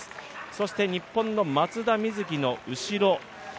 そして日本の松田瑞生の後ろ